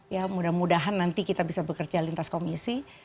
ya mudah mudahan nanti kita bisa bekerja lintas komisi